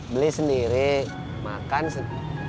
beli sendiri makan sendiri